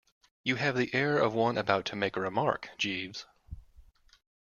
You have the air of one about to make a remark, Jeeves.